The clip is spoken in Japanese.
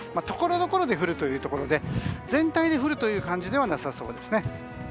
ところどころで降るというところで全体で降るという感じではなさそうですね。